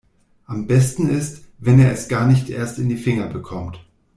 Am besten ist, wenn er es gar nicht erst in die Finger bekommt.